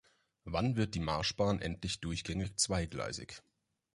Wann wird die Marschbahn endlich durchgängig zweigleisig?